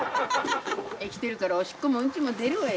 生きてるからおしっこもうんちも出るわよ。